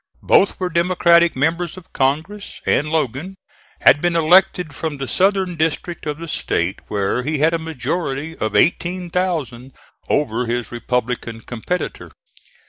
Both were democratic members of Congress, and Logan had been elected from the southern district of the State, where he had a majority of eighteen thousand over his Republican competitor.